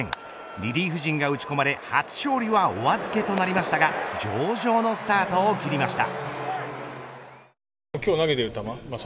リリーフ陣が打ち込まれ初勝利はお預けとなりましたが上々のスタートを切りました。